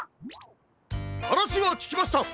はなしはききました。